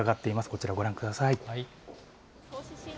こちら、ご覧ください。